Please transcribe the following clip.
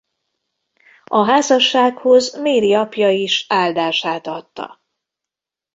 A házassághoz Mary apja is áldását adta.